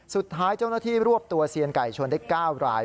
สุดท้ายเจ้าหน้าที่รวบตัวเซียนไก่ชนได้๙ราย